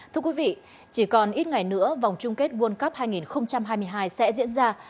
thưa quý vị chỉ còn ít ngày nữa vòng chung kết world cup hai nghìn hai mươi hai sẽ diễn ra